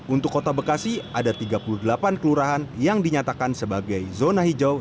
untuk kota bekasi ada tiga puluh delapan kelurahan yang dinyatakan sebagai zona hijau